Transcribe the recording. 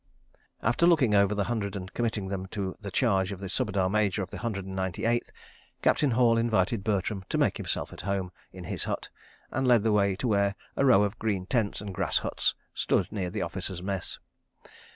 After looking over the Hundred and committing them to the charge of the Subedar Major of the Hundred and Ninety Eighth, Captain Hall invited Bertram "to make himself at home" in his hut, and led the way to where a row of green tents and grass huts stood near the Officers' Mess.